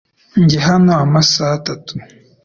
Njye hano amasaha atatu .